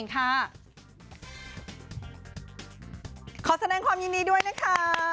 ขอแสดงความยินดีด้วยนะคะ